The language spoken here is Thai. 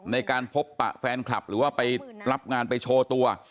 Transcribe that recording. ในการพบปะแฟนคลับหรือว่าไปรับงานไปโชว์ตัว